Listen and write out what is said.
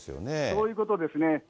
そういうことですね。